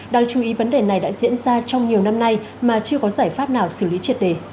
đáng chú ý vấn đề này đã diễn ra trong nhiều năm nay mà chưa có giải pháp nào xử lý triệt đề